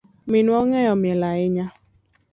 Minwa ongeyo miel ahinya.